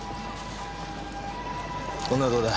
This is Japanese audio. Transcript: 女はどうだ。